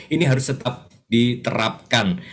ini harus tetap diterapkan